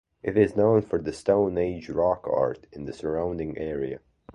It is known for the Stone Age rock art in the surrounding area.